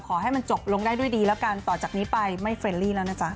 ขอให้มันจบลงได้ด้วยดีแล้วกันต่อจากนี้ไปไม่เรลลี่แล้วนะจ๊ะ